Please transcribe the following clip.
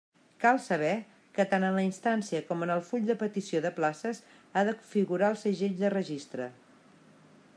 Cal saber que tant en la instància com en el full de petició de places ha de figurar el segell de registre.